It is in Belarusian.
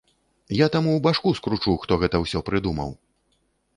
Я таму башку скручу, хто гэта ўсё прыдумаў.